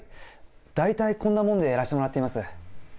大体こんなもんでやらせてもらっています。